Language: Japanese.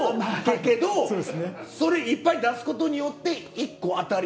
けどそれいっぱい出すことによって１個当たり。